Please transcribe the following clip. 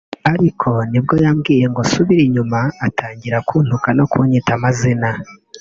ariko nibwo yambwiye ngo nsubire inyuma atangira kuntuka no kunyita amazina